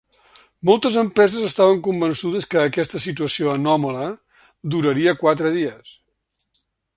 Moltes empreses estaven convençudes que aquesta situació anòmala duraria quatre dies.